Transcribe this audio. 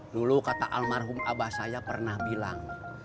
dulu kata almarhum abah saya pernah bilang